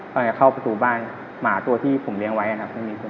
ตอนแรกเข้าประตูบ้านหมาตัวที่ผมเลี้ยงไว้